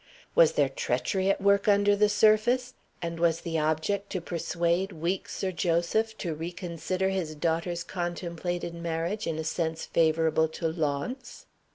Was there treachery at work under the surface? and was the object to persuade weak Sir Joseph to reconsider his daughter's contemplated marriage in a sense favorable to Launce?